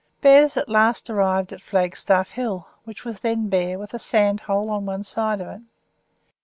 Bez at last arrived at Flagstaff Hill, which was then bare, with a sand hole on one side of it.